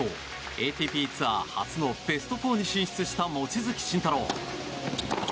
ＡＴＰツアー初のベスト４に進出した望月慎太郎。